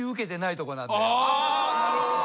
・なるほど。